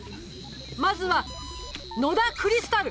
まずは野田クリスタル！